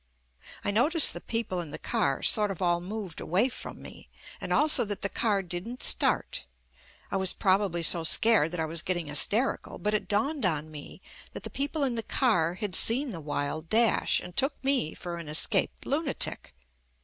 I noticed the people in the car sort of all moved away from me, and also that the car didn't start. I was probably so scared that I was getting hysterical, but it dawned upon me that the people in the car had seen the wild dash and took me for an escaped lunatic.